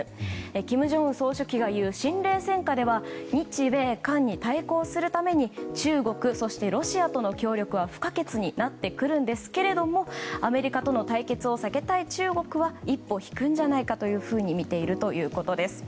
金正恩総書記が言う新冷戦下では日米韓に対抗するために中国、ロシアとの協力が不可欠になってくるんですけどもアメリカとの対決を避けたい中国は一歩引くんじゃないかとみられているということです。